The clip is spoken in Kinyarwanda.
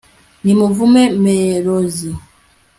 nimuvume merozi